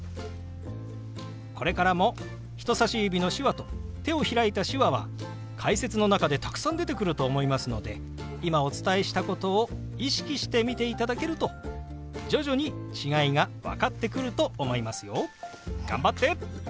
これからも人さし指の「手話」と手を開いた「手話」は解説の中でたくさん出てくると思いますので今お伝えしたことを意識して見ていただけると徐々に違いが分かってくると思いますよ。頑張って！